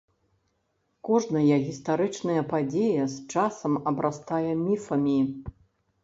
Кожная гістарычная падзея з часам абрастае міфамі.